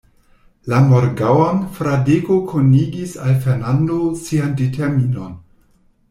La morgaŭon, Fradeko konigis al Fernando sian determinon.